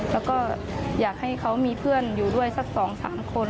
แล้วก็อยากให้เขามีเพื่อนอยู่ด้วยสัก๒๓คน